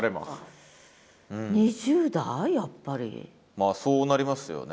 まあそうなりますよね。